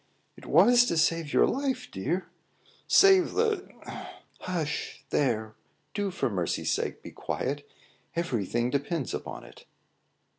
"It was to save your life, dear." "Save the !" "H u s h! There! do, for mercy's sake, be quiet; every thing depends upon it."